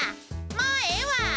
もうええわ！